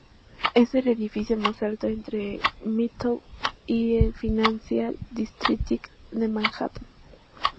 Es el edificio más alto entre el Midtown y el Financial District de Manhattan.